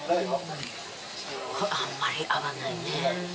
あんまり会わないね